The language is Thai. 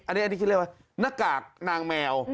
อันนี้คือเรียกว่าหน้ากากนางแมว